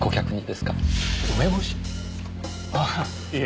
ああいいえ。